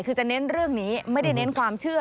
คือจะเน้นเรื่องนี้ไม่ได้เน้นความเชื่อ